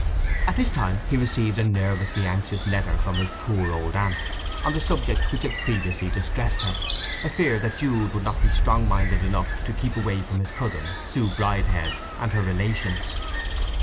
At this time he received a nervously anxious letter from his poor old aunt, on the subject which had previously distressed her—a fear that Jude would not be strong minded enough to keep away from his cousin Sue Bridehead and her relations.